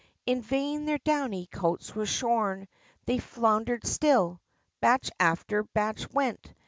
In vain their downy coats were shorn; They floundered still! Batch after batch went!